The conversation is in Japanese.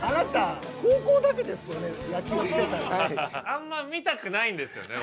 あんま見たくないんですよね